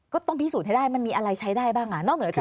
ก็ต้องพิสูจน์ให้ได้มันมีอะไรใช้ได้บ้างอ่ะนอกเหนือจาก